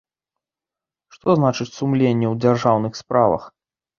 Што значыць сумленне ў дзяржаўных справах?